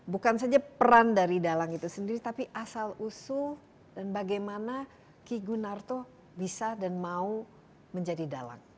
bukan saja peran dari dalang itu sendiri tapi asal usul dan bagaimana ki gunarto bisa dan mau menjadi dalang